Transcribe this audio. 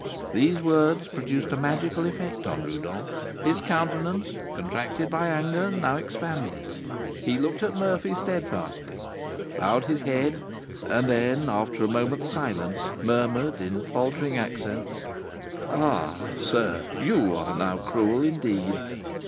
_" These words produced a magical effect on Rodolph. His countenance, contracted by anger, now expanded. He looked at Murphy steadfastly, bowed his head, and then, after a moment's silence, murmured, in faltering accents, "Ah, sir, you are now cruel, indeed.